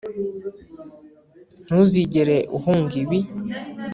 ntuzigera uhunga ibi